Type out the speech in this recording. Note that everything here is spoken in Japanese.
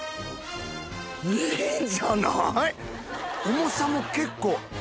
重さも結構。